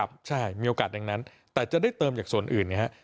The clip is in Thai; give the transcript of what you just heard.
ครับใช่มีโอกาสอย่างนั้นแต่จะได้เติมจากส่วนอื่นนะครับ